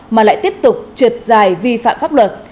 mà lại tiếp tục trượt dài vi phạm pháp luật